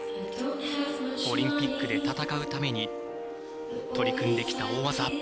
オリンピックで戦うために取り組んできた大技。